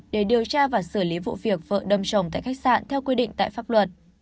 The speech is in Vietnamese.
để điều tra và xử lý vụ việc vợ đâm chồng tại khách sạn theo quy định tại pháp luật